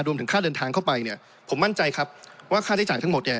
รวมถึงค่าเดินทางเข้าไปผมมั่นใจครับว่าค่าได้จ่ายทั้งหมด